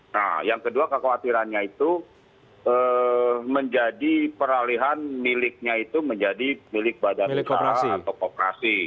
nah yang kedua kekhawatirannya itu menjadi peralihan miliknya itu menjadi milik badan usaha atau kooperasi